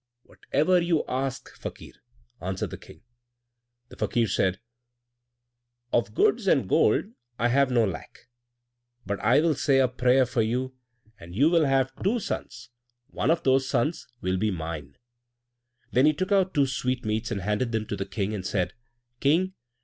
"Whatever you ask, Fakir," answered the King. The Fakir said, "Of goods and gold I have no lack, but I will say a prayer for you, and you will have two sons; one of those sons will be mine." Then he took out two sweetmeats and handed them to the King, and said, "King!